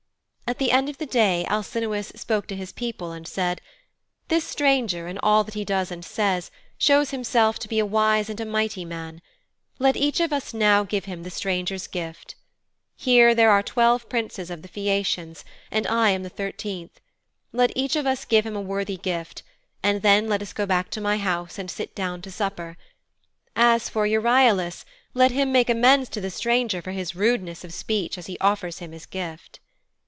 At the end of the day Alcinous spoke to his people and said, 'This stranger, in all that he does and says, shows himself to be a wise and a mighty man. Let each of us now give him the stranger's gift. Here there are twelve princes of the Phæacians and I am the thirteenth. Let each of us give him a worthy gift, and then let us go back to my house and sit down to supper. As for Euryalus, let him make amends to the stranger for his rudeness of speech as he offers him his gift.'